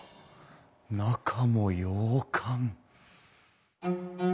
中も洋館。